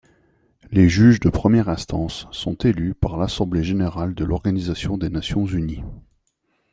Les juges de première instance sont élus par l'Assemblée générale de l'Organisation des Nations-Unies.